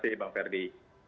terima kasih bang ferdi